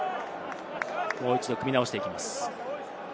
もう一度、組み直していきます。